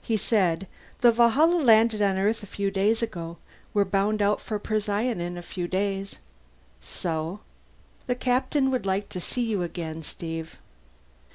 He said, "The Valhalla landed on Earth a few days ago. We're bound out for Procyon in a few days." "So?" "The Captain would like to see you again, Steve."